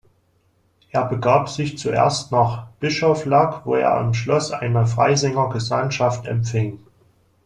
Er begab sich zuerst nach Bischoflack, wo er im Schloss eine Freisinger Gesandtschaft empfing.